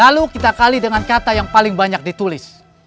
lalu kita kali dengan kata yang paling banyak ditulis